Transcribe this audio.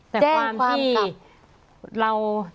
แต่ความที่เรา